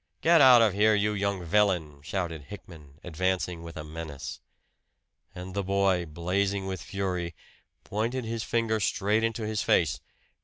"Get out of here, you young villain!" shouted Hickman, advancing with a menace. And the boy, blazing with fury, pointed his finger straight into his face.